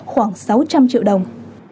khoảng sáu trăm linh triệu đồng